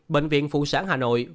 bệnh viện phụ sản hà nội